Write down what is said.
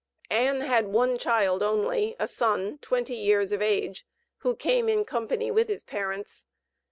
Ann had one child only, a son, twenty years of age, who came in company with his parents.